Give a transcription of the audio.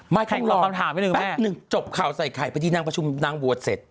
ไม่ต้องรอคำถามนึงแม่แป๊บนึงจบข่าวใส่ใครพอที่นางประชุมนางบวชเสร็จ